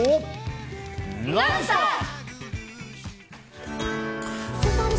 「ノンストップ！」。